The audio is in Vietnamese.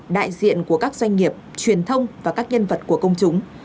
đại diện của các doanh nghiệp truyền thông và các nhân vật của công chúng